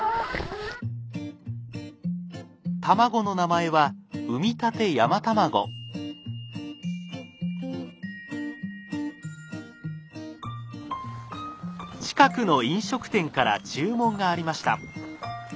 卵の名前は近くの飲食店から注文がありました。